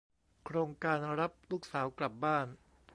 โครงการรับลูกสาวกลับบ้าน